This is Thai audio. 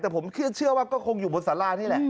แต่ผมเชื่อว่าก็คงอยู่บนสารานี่แหละ